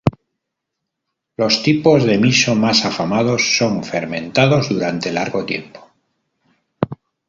Los tipos de miso más afamados son fermentados durante largo tiempo.